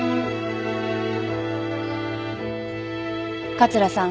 桂さん。